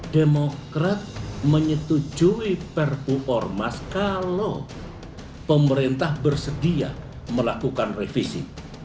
demokrat menyetujui perpu ormas kalau pemerintah bersedia melakukan revisi